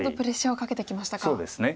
そうですね。